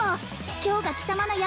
今日が貴様の闇